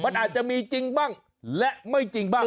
มันอาจจะมีจริงบ้างและไม่จริงบ้าง